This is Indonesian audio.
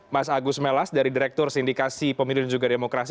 mas agus melas dari direktur sindikasi pemilu dan juga demokrasi